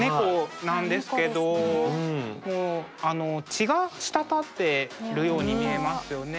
血がしたたってるように見えますよね。